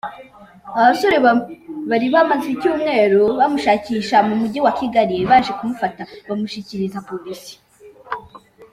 Aba basore bari bamaze icyumweru bamushakisha mu mujyi wa Kigali, baje kumufata bamushyikiriza Polisi.